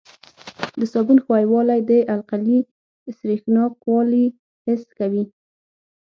د صابون ښویوالی د القلي سریښناکوالی حس کوي.